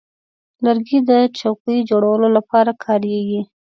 لرګی د چوکۍ جوړولو لپاره کارېږي.